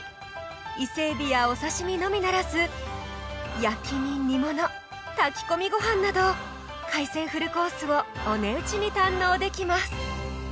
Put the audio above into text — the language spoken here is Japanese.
伊勢エビやお刺し身のみならず焼きに煮物炊き込みご飯など海鮮フルコースをお値打ちに堪能できます